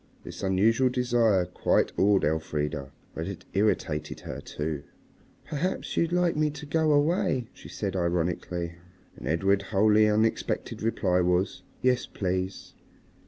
This unusual desire quite awed Elfrida. But it irritated her too. "Perhaps you'd like me to go away," she said ironically. And Edred's wholly unexpected reply was, "Yes, please."